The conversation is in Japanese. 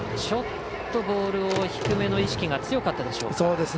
ちょっと、ボール低めの意識が強かったでしょうか。